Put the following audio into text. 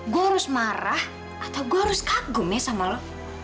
gue harus marah atau gue harus kagum ya sama lo